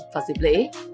và dịp lễ